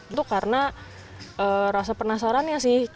itu karena rasa penasarannya sih